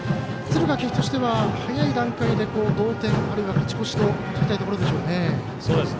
敦賀気比としては早い段階で同点、勝ち越しといきたいところでしょうね。